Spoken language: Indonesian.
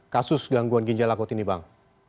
kasus gangguan ginjal akut ini bang